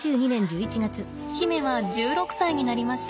媛は１６歳になりました。